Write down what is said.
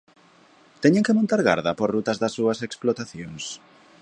¿Teñen que montar garda por rutas das súas explotacións?